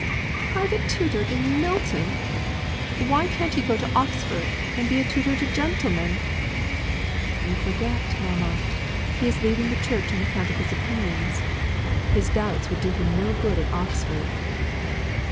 "Private tutor in Milton! Why can't he go to Oxford, and be a tutor to gentlemen?" "You forget, mamma! He is leaving the Church on account of his opinions his doubts would do him no good at Oxford."